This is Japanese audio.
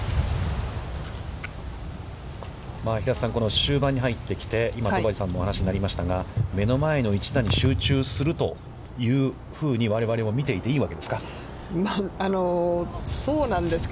平瀬さん、終盤に入ってきて、今、戸張さんもお話しになりましたが、目の前の１打に集中するというふうに我々も見ていていいわけですか。